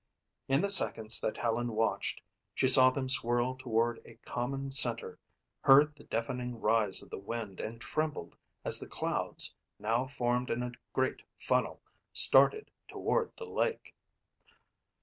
In the seconds that Helen watched, she saw them swirl toward a common center, heard the deafening rise of the wind and trembled as the clouds, now formed in a great funnel, started toward the lake.